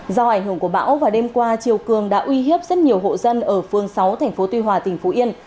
do ảnh hưởng của bão và đêm qua chiều cường đã uy hiếp rất nhiều hộ dân ở phương sáu tp tuy hòa tỉnh phú yên